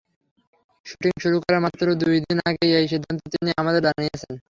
Shooting শুরু করার মাত্র দুই দিন আগে এই সিদ্ধান্ত তিনি আমাদের জানিয়েছেন।